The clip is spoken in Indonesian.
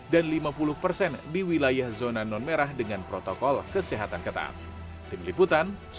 dan lima puluh di wilayah zona non nerah dengan protokol kesehatan ketat